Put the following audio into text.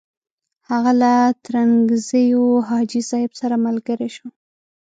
هغه له ترنګزیو حاجي صاحب سره ملګری شو.